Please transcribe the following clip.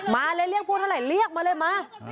มาเลยเรียกพูดเท่าไหร่เรียกมาเลยมา